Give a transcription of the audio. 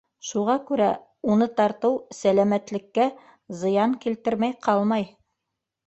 Шуға күрә уны тартыу сәләмәтлеккә зыян килтермәй ҡалмай.